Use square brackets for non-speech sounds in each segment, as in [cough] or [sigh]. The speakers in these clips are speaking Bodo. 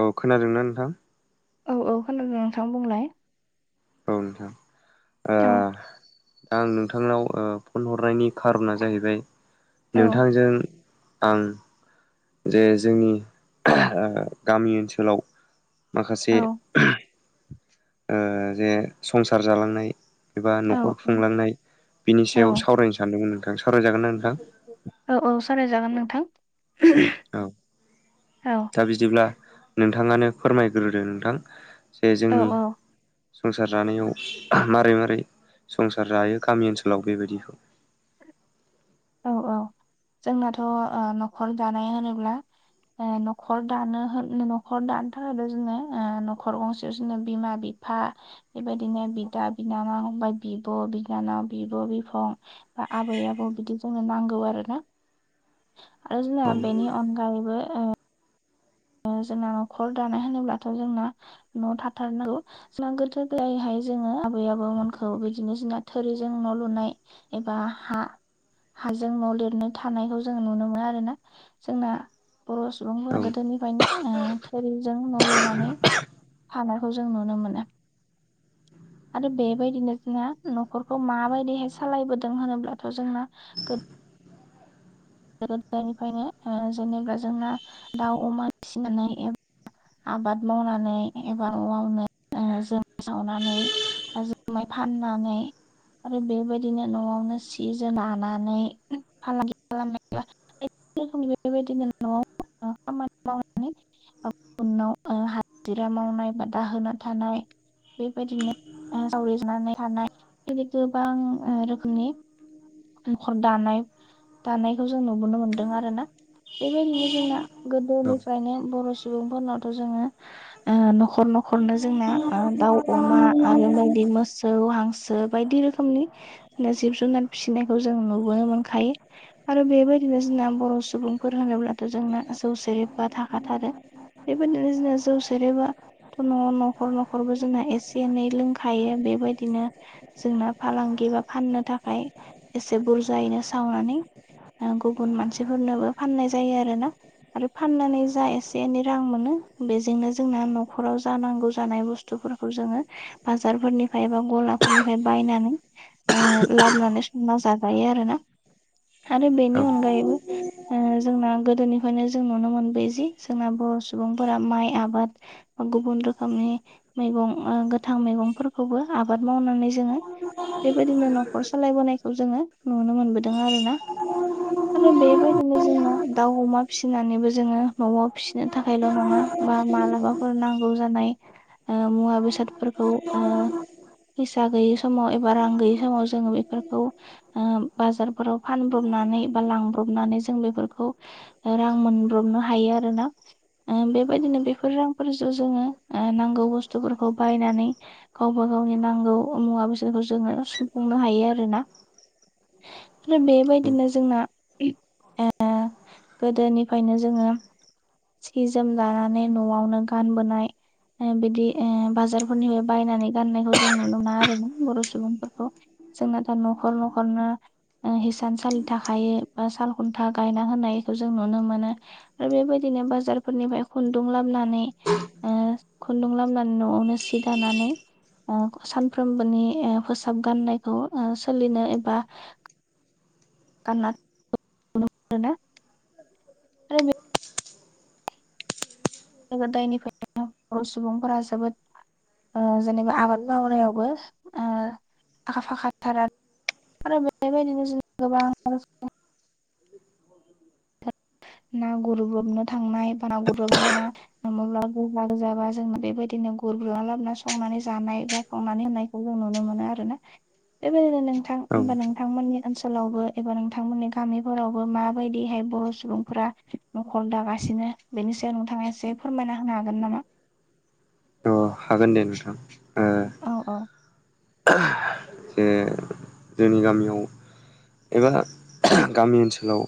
औ खोनादोंना नोंथां औ औ खोनादों नोंथां बुंलाय औ नोंथां ओ औ दा आं ओ नोंथांनाव फन हरनायनि खारना जाहैबाय औ नोंथांजों आं जे जोंनि गामि ओनसोलाव औ माखासे ओ जे संसार जालांनाय एबा औ न'खर औ खुंलांनाय बिनि औ सायाव सावरायनो सानदोंमोन नोंथां सावरायजागोन ना नोंथां औ औ सारायजागोन नोंथां औ औ दा बिदिब्ला नोंथाङानो फोरमायग्रोदो नोंथां जे औ जोंनि औ संसार जानायाव मारै मारै संसार जायो गामि ओनसोलाव बेबायदिखौ औ औ जोंनाथ' ओ न'खर दानाय होनोब्ला ओ न'खर दानो नख'र दानोथार होदो जोङो न'खर गंसेयाव जोङो बिमा बि फा बेबायदिनो बिदा बिनानाव ओमफ्राय बिब' बिनानाव बिब' बिफं बा आबै आबौ बिदि जोंनो नांगौ आरो ना आरो जोंना औ बेनि अनगायैबो ओ ओ जोंना न'खर दानाय होनोब्लाथ' जोंना न' थाथारनांगौ [unintelligible] हाय जोङो आबै आबौमोनखौ बिदिनो जोंना थोरिजों न' लुनाय एबा हा हाजों न' लिरनो थानायखौ जों नुनो मोनो आरो ना जोंना बर' सुबुंफोरा औ गोदोनि फायनो ओ थोरिजों न' लुनानै थानायखौ जों नुनो मोनो आरो बेबायदिनो जोंना न'खरखौ माबायदिहाय सालायबोदों होनोब्लाथ' जोंना गो दो गोदायनिफ्रायनो जेनेबा जोंना दाउ अमा फिसिनानै एब आबाद मावनानै एबा न'आवनो जौ सावनानै जोमाय फाननानैै आरो बेबायदिनो न'आवनो सि जोम लानानै फालांगि [unintelligible] रोखोमनि बेबायदिनो न'आव [unintelligible] आबाद मावनानै उनाव हाजिरा मावनाय बा दाहोना थानाय बेबायदिनो सावरिजानानै थानाय बिदि गोबां रोखोमनि नख'र दानाय दानायखौ जों नुबोनो मोन्दों आरोना बेबायदिनो जोंना औ गोदोनिफ्रायनो बर' सुबुंफोरनावथ' जोङो न'खर न'खरनो जोंना दाउ अमा आरो बायदि मोसौ हांसो बायदि रोख रोखोमनि जिब जुनार फिसिनायखौ जों नुबोनो मोनखायो आरो बेबायदिनो जोंना बर' सुबुंफोर होनोब्लाथ' जोंना जौ सेेरेबा थाखाथारो बेबायदिनो जोंना जौ सेरेबा थ न' न'खर न'खरबो जोंना एसे एनै लोंखायो बेबायदिनो जोंना फालांगि बा फाननो थाखाय एसे बुरजायैनो सावनानै गुबुन मानसिफोरनोबो फाननाय जायो आरो ना आरो फाननानै जा एसे एनै रां मोनो बेजोंनो जोंना न'खराव जा नांगौ जानाय बुस स्थुफोरखौ जोङो बाजारफोरनिफ्राय बा गलाफोरनिफ्राय बायनानै लाबोनानै संना जाजायो आरो ना आरो बेनि औ अनगायैबो जोंना गोदोनि फायनो जों नुनो मोनबाय जि जोंना बर' सुबुंफोरा माइ आबाद गुबुन रोखोमनि मैगं गोथां मैगंफोरखौबो आबाद मावनानै जोङो बेबायदिनो न'खर सालायबोनायखौ जोङो नुनो मोनबोदों आरोना आरो बेबायदिनो जोंङो दाउ अमा फिसिनानैबो जोङो न'आव फिसिनो थाखायल' नङा बा मालाबाफोर नांगौ जानाय मुवा बेसादफोरखौ फैसा गैयि समाव एबा रां गैयि समाव जोङो बेफोरखौ बाजारफोराव फानब्रबनानै बा लांब्रबनानै जों बेफोरखौ रां मोनब्रबनो हायो आरोना बेबायदिनो बेफोर रांफोरजों जोङो नांगौ बुस्थुफोरखौ बायनानै गावबा गावनि नांगौ मुवा बेसादखौ जोङो सुफुंनो हायो आरो ना आरो बेबायदिनो जोंना गोदोनिफ्रायनो जोङो सि जोम जानानै न'आवनो गानबोनाय बिदि बाजारफोरनिफ्राय बायनानै गाननायखौ जों नुनो मोना आरो ना बर' सुबुंफोरखौ जोंना दा न'खर न'खरनो हिसानसालि थाखायो बा साल खुन्था गायना होनायखौ जों नुनो मोनो आरो बेबायदिनो बाजारफोरनिफ्राय खुन्दुं लाबोनानै खुन्दुं लामनानै न'आवनो सि दानानै सानफ्रोमबोनि फोसाब गाननायखौ सोलिनो एबा [unintelligible] नुनो मोनो गोदो गोदायनिफ्रायनो बर' सुबुंफोरा जोबोद जेनेबा आबाद मावनायावबो आखा फाखा थार आरो आरो बेबायदिनो जों गोबां आरज ना गुरब्रबनो थांनाय बा ना गुरब्रब लाना [unintelligible] मला गोजा गोजाबा जोंनो बेबायदिनो गुरग्रना लाबोना संनानै जानाय बबा संनानै होननायखौ जों नुनो मोनो आरोना बेबायदिनो नोंथां औ हमबा नोंथांमोननि ओनसोलावबो एबा नोंथांमोननि गामिफोरावबो माबायदिहाय ब र' सुबुंफोरा नखर दागासिनो बेनि सायाव नोंथाङा एसे फोरमायना होनो हागोन नामा अ हागोन दे नोंथां ओ औ-औ जे जोंनि गामियाव एबा गामि ओनसोलाव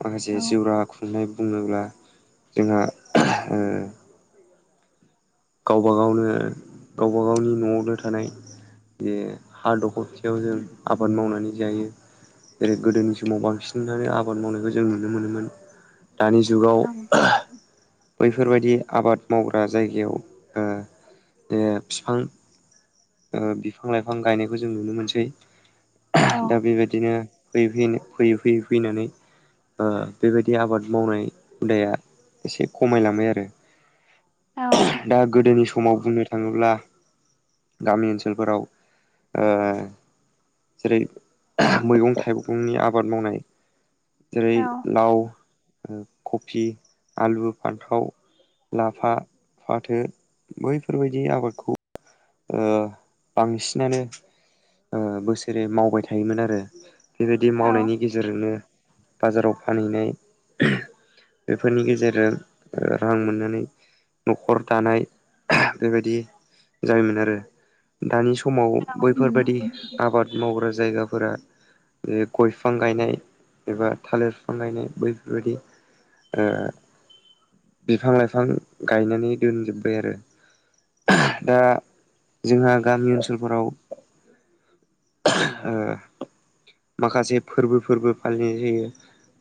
माखासे औ जिउराहा खुंनाय बुङोब्ला जोंहा गावबा गावनो गावबा गावनि न'आवनो थानाय जे हा दखर सेयाव जों आबाद मावनानै जायो जेरै गोदोनि समाव बांसिनानो आबाद मावनायखौ जों नुनो मोनोमोन दानि जुगाव [inaudible] बैफोरबायदि आबाद मावग्रा जायगायाव ओ ओ फिफां ओ बिफां-लाइफां गायनायखौ जों नुनो मोनसै औ दा बेबायदिनो फैयै फिन फैयै फैयै फैनानै ओ बेबायदि आबाद मावनाय हुदाया इसे खमायलांबाय आरो दा गोदोनि समाव बुंनो थाङोब्ला गामि ओनसोलफोराव ओ जेरै मैगं-थाइगंनि आबाद मावनाय जेरै लाव कफि, आलु फान्थाव, लाफा, फाथो बैफोरबायदि आबादखौ ओ बांसिनानो बोसोरै मावबाय थायोमोन आरो बेबायदि औ मावनायनि गेजेरजोंनो बाजाराव फानहैनाय बेफोरनि गेजेरजों रां मोननानै न'खर दानाय बेबायदि जायोमोन आरो दानि समाव बैफोरबायदि आबाद मावग्रा जायगाफोरा गय फिफां गायनाय एबा थालिर फिफां गायनाय बैफोरबायदि ओ बिफां-लाइफां गायनानै दोनजोब्बाय आरो दा जोंहा गामि ओनसोलफोराव ओ माखासे फोरबोफोरबो फालिनाय जायो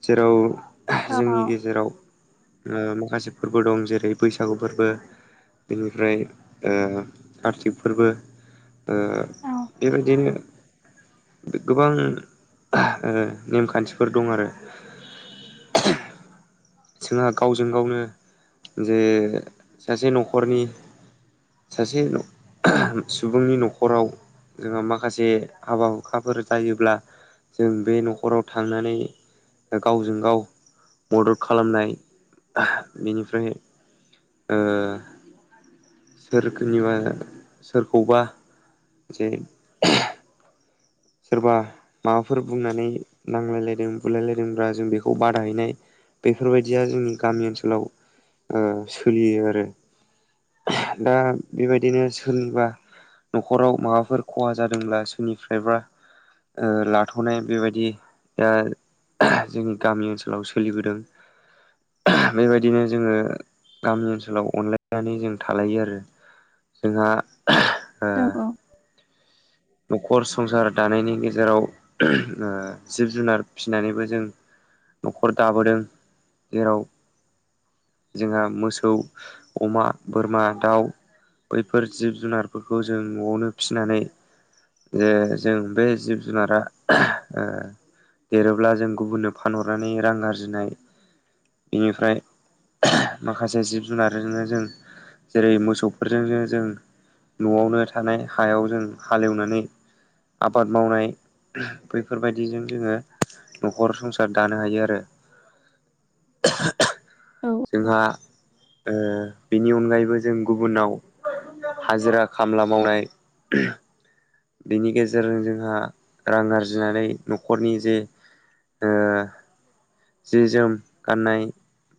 जेराव जोंनि गेजेराव ओ माखासे फोरबो दं जेरै बैसागु फोरबो बेनिफ्राय ओ कारति फोरबो ओ औ बेबायदिनो गोबां ओ नेमखानथिफोर दं आरो [inaudible] जोंहा गावजों गावनो जे सासे न'खरनि सासे न' सुबुंनि न'खराव जोंहा माखासे हाबा हुखाफोर जायोब्ला जों बे न'खराव थांनानै गावजों गाव मदद खालामनाय बेनिफ्राय ओ सोरनिबा सोरखौबा जे सोरबा माबाफोर बुंनानै नांलायलायदों बुलायलायदोंब्ला जों बेखौ बादा हैनाय बेफोरबायदिया जोंनि गामि ओनसोलाव ओ सोलियो आरो दा बेबायदिनो सोरनिबा न'खराव माबाफोर खहा जादोंब्ला सोरनिफ्रायबा लाथ'नाय बेबायदि दा जोंनि गामि ओनसोलाव सोलिबोदों बेबायदिनो जोङो गामि ओनसोलाव अनलायनानै जों थालायो आरो जोंहा ओ औ औ न'खर संसार दानायनि गेजेराव जिब जुनार फिसिनानैबो जों न'खर दाबोदों जेराव जोंहा मोसौ अमा बोरमा दाउ बैफोर जिब जुनारफोरखौ जों न'आवनो फिसिनानै जे जों बे जिब जुनारा आ देरोब्ला जों गुबुननो फानहरनानै रां आरजिनाय बेनिफ्राय माखासे जिब जुनारजोंनो जों जेरै मोसौफोरजोंनो जों न'आवनो थानाय हायाव जों हालेवनानै आबाद मावनाय बैफोरबायदिजों जोङो न'खर संसार दानो हायो आरो औ जोंहा ओ बेनि अनगायैबो जों गुबुनाव हाजिरा खामला मावनाय बेनि गेजेरजों जोंहा रां आरजिनानै न'खरनि जे ओ जि जोम गाननाय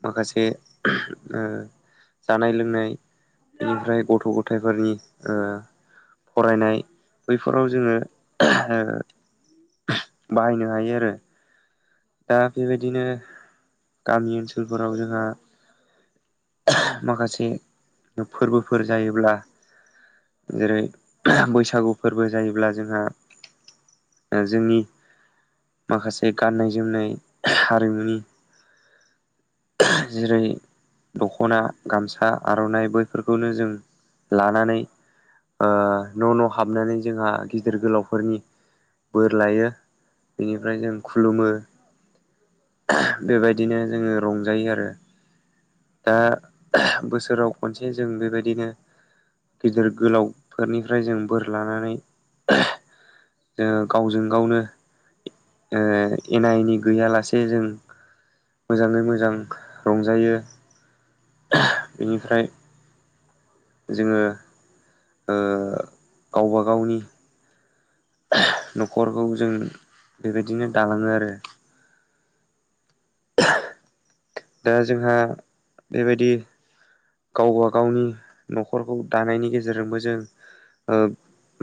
माखासे ओ जानाय लोंनाय बेनिफ्राय गथ' गथाइफोरनि फरायनाय बैफोराव जोङो बाहायनो हायो आरो दा बेबायदिनो गामि ओनसोलफोराव जोंहा माखासे फोरबोफोर जायोब्ला जेरै बैसागु फोरबो जायोब्ला जोंहा जोंनि माखासे गाननाय जोमनाय हारिमुनि जेरै दख'ना गामसा आर'नाइ बैफोरखौनो जों लानानै न' न' हाबनानै जोंहा गिदिर गोलावफोरनि बोर लायो बेनिफ्राय जों खुलुमो बेबायदिनो जोङो रंजायो आरो दा बोसोराव खनसे जों बेबायदिनो गिदिर गोलावफोरनिफ्राय जों बोर लानानै जोङो गावजों गावनो ओ एना एनि गैयालासे जों मोजाङै मोजां रंजायो बेनिफ्राय जोङो ओ गावबा गावनि न'खरखौ जों बेबायदिनो दालाङो आरो [inaudible] दा जोंहा बेबायदि गावबा गावनि न'खरखौ दानायनि गेजेरजोंबो जों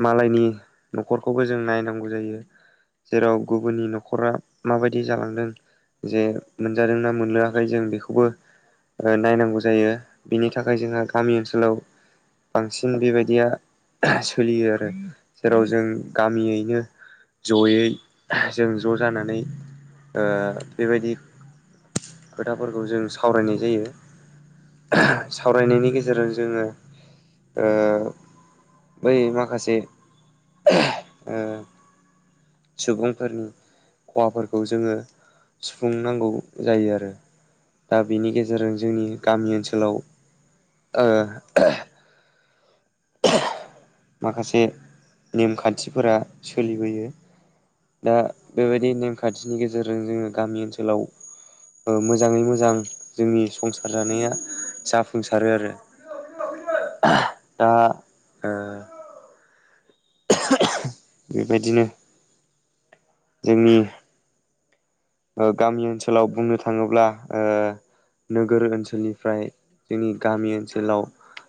मालायनि न'खरखौबो जों नायनांगौ जायो जेराव गुबुननि न'खरा माबायदि जालांदों जे मोनजादोंना मोनलोङाखै जों बेखौबो नायनांगौ जायो बिनि थाखाय जोंहा गामि ओनसोलाव बांसिन बेबायदिया सोलियो आरो जेराव जों गामियैनो जयै जों ज' जानानै बेबायदि खोथाफोरखौ जों सावरायनाय जायो सावरायनायनि गेजेरजों जोङो ओ बै माखासे ओ सुबुंफोरनि खहाफोरखौ जोङो सुफुंनांगौ जायो आरो दा बेनि गेजेरजों जोंनि गामि ओनसोलाव माखासे नेमखान्थिफोरा सोलिबोयो दा बेबायदि नेमखान्थिनि गेजेरजों जोङो गामि ओनसोलाव मोजाङै मोजां जोंनि संसार जानाया जाफुंसारो आरो दा ओ बेबायदिनो जोंनि गामि ओनसोलाव बुंनो थाङोब्ला नोगोर ओनसोलनिफ्राय जोंनि गामि ओनसोलाव